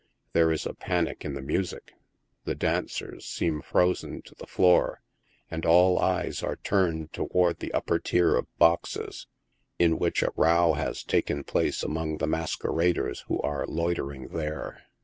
There is a panic in the music. The dancers seem frozen to the floor, and all eyes are turned toward the upper tier of boxes, in which a row ha3 taken place among the masqueraders who are loitering there.